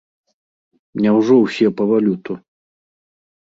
Няўжо ўсе па валюту?